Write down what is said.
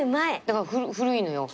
だから古いのよ。